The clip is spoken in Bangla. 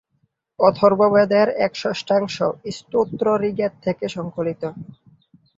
অথর্ববেদের এক-ষষ্ঠাংশ স্তোত্র ঋগ্বেদ থেকে সংকলিত।